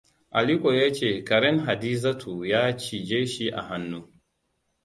Aliko ya ce karen Hadizatu ya cije shi a hannu.